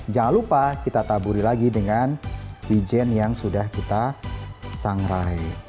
jangan lupa kita taburi lagi dengan wijen yang sudah kita sangrai